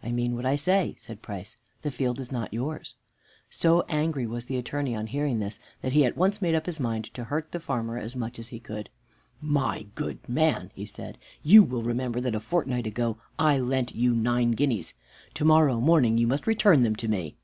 "I mean what I say," said Price; "the field is not yours." So angry was the Attorney on hearing this, that he at once made up his mind to hurt the farmer as much as he could. "My good man," he said, "you will remember that a fortnight ago I lent you nine guineas. To morrow morning you must return them to me."